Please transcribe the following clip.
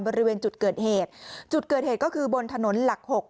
บริเวณจุดเกิดเหตุจุดเกิดเหตุก็คือบนถนนหลักหก